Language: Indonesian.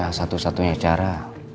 ya satu satunya cara